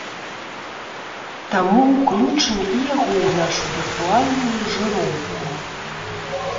Таму ўключым і яго ў нашу віртуальную жыроўку.